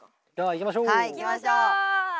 行きましょう！